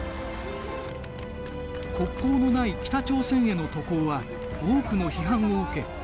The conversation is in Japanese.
国交のない北朝鮮への渡航は多くの批判を受け